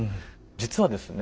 実はですね